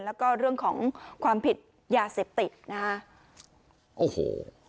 แล้วก็เรื่องของความผิดยาเสพติดนะฮะโอ้โห